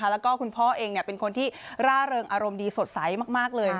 แล้วก็คุณพ่อเองเป็นคนที่ร่าเริงอารมณ์ดีสดใสมากเลย